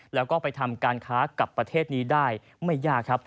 แล้วก็ไปทำการค้ากับประเทศนี้ได้ไม่ยากครับ